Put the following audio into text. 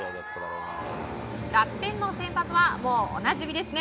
楽天の先発はもうおなじみですね。